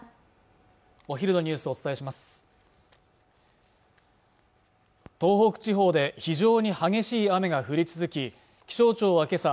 お昼のニュースをお伝えします東北地方で非常に激しい雨が降り続き気象庁はけさ